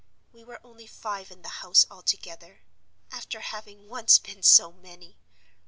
We were only five in the house altogether—after having once been so many!